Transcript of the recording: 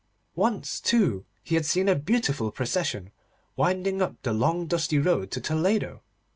Once, too, he had seen a beautiful procession winding up the long dusty road to Toledo.